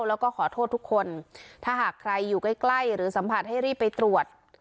แล้วก็ขอโทษทุกคนถ้าหากใครอยู่ใกล้ใกล้หรือสัมผัสให้รีบไปตรวจ